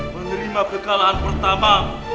menerima kekalahan pertama